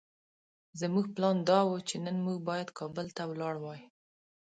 زموږ پلان دا وو چې نن بايد موږ کابل ته ولاړ وای.